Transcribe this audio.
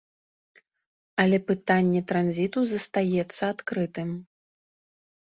Але пытанне транзіту застаецца адкрытым.